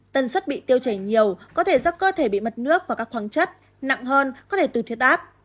tần suất bị tiêu chảy nhiều có thể do cơ thể bị mất nước và các khoáng chất nặng hơn có thể từ thiệt áp